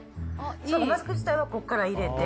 マスク自体はここから入れて。